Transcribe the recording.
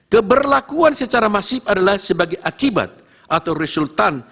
keberlakuan secara masif adalah sebagai akibat atau resultan